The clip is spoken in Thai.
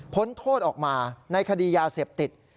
โทษออกมาในคดียาเสพติด